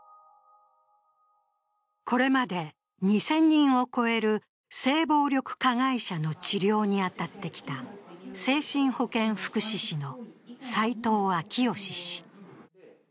これまで２０００人を超える性暴力加害者の治療に当たってきた精神保健福祉士の斉藤章佳氏。